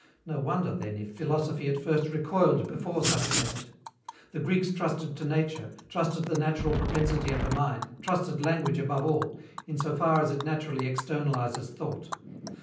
No wonder, then, if philosophy at first recoiled before such an effort. The Greeks trusted to nature, trusted the natural propensity of the mind, trusted language above all, in so far as it naturally externalizes thought.